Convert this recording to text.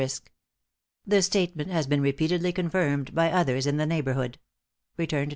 This statement has been repeatedly confirmed by others in the neighborhood.